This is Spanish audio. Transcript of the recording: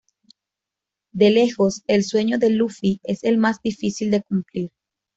De lejos, el sueño de Luffy es el más difícil de cumplir.